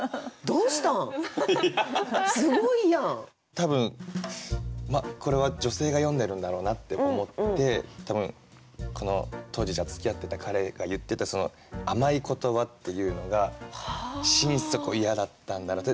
多分これは女性が詠んでるんだろうなって思って多分この当時つきあってた彼が言ってたその甘い言葉っていうのが心底嫌だったんだろうって。